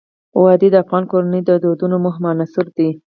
وادي د افغان کورنیو د دودونو مهم عنصر دی.